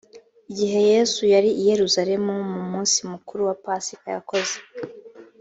igihe yesu yari i yerusalemu mu munsi mukuru wa pasika yakoze